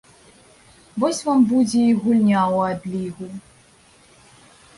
Вось вам будзе і гульня ў адлігу.